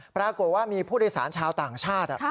ปรากฏว่ามีผู้โดยสารชาวต่างชาติ